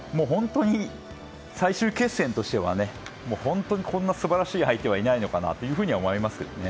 最終決戦としては本当にこんな素晴らしい相手はいないのかなと思いますけどね。